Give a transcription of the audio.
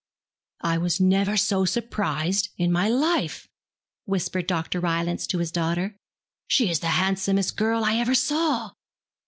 'I was never so surprised in my life,' whispered Dr. Rylance to his daughter. 'She is the handsomest girl I ever saw.'